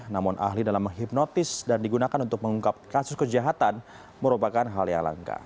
namun ahli dalam menghipnotis dan digunakan untuk mengungkap kasus kejahatan merupakan hal yang langka